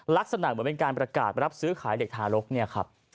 ลักษณะเหมือนเป็นการประกาศรับซื้อขายเด็กทารกเนี่ยครับ